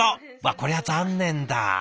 こりゃ残念だ。